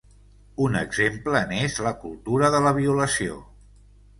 Un exemple n'és la cultura de la violació.